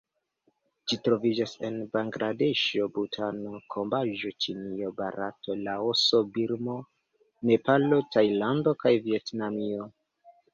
Ĝi troviĝas en Bangladeŝo, Butano, Kamboĝo, Ĉinio, Barato, Laoso, Birmo, Nepalo, Tajlando kaj Vjetnamio.